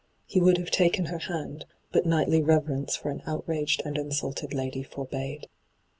He would have taken her hand, but knightly reverence for an outraged and insulted lady forbade.